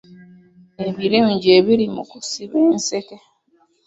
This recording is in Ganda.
Ebirungi ebiri mu kusiba enseke.